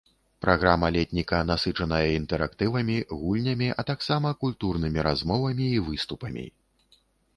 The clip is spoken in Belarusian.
Праграма летніка насычаная інтэрактывамі, гульнямі, а таксама культурнымі размовамі і выступамі.